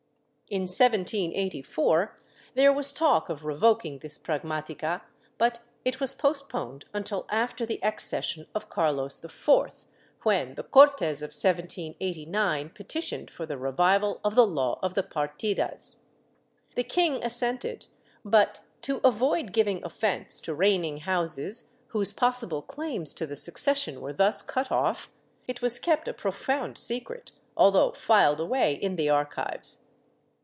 ^ In 1784 there was talk of revoking this pragmatica, but it was postponed until after the accession of Carlos IV, when the Cortes of 1789 petitioned for the revival of the law of the Partidas. The king assented but, to avoid giving offence to reigning houses whose possible claims to the succession were thus cut off, it was kept a profound secret, although filed away in the archives.